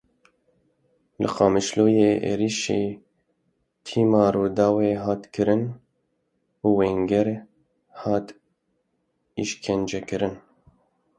Li Qamişloyê êrişî tîma Rûdawê hat kirin û wênegir hat îşkencekirin.